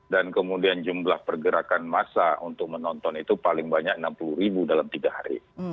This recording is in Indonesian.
dan kemudian jumlah pergerakan massa untuk menonton itu paling banyak enam puluh ribu dalam tiga hari